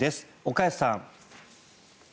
岡安さん。